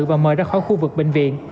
và mời ra khỏi khu vực bệnh viện